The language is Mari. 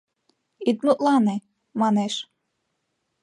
— Ит мутлане, манеш.